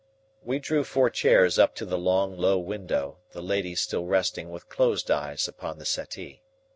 We drew four chairs up to the long, low window, the lady still resting with closed eyes upon the settee.